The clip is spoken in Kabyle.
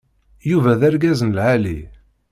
Yuba d argaz n lɛali.